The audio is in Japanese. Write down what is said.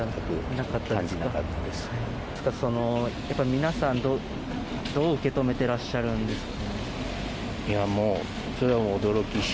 皆さん、どう受け止めていらっしゃるんですか？